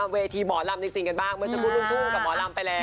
เวทีหมอลำจริงกันบ้างเมื่อสักครู่ลุงทุ่งกับหมอลำไปแล้ว